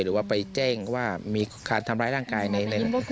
หรือว่าไปแจ้งว่ามีการทำร้ายร่างกายใน